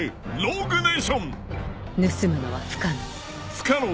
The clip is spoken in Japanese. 「盗むのは不可能」